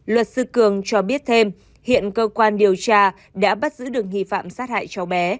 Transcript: luật sư cường cho biết thêm hiện cơ quan điều tra đã bắt giữ được nghi phạm sát hại cháu bé